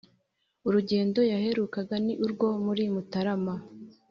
urugendo yaherukaga ni urwo muri mutarama